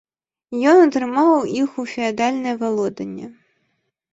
Ён атрымаў іх у феадальнае валоданне.